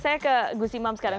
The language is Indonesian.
saya ke gus imam sekarang